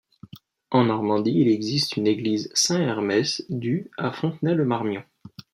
En Normandie, il existe une église Saint-Hermès du à Fontenay-le-Marmion.